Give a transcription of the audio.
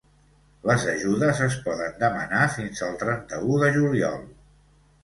Les ajudes es poden demanar fins el trenta-u de juliol.